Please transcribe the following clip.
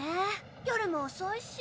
夜も遅いし。